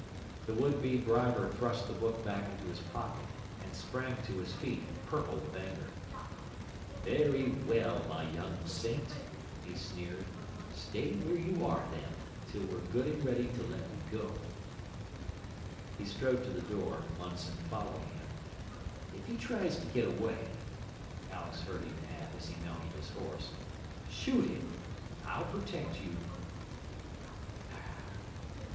The would be briber thrust the book back into his pocket and sprang to his feet, purple with anger. "Very well, my young saint," he sneered, "stay where you are, then till we're good and ready to let you go!" He strode to the door, Munson following him. "If he tries to get away," Alex heard him add as he mounted his horse, "shoot him! I'll protect you!"